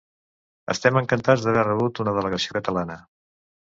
Estem encantats d’haver rebut una delegació catalana.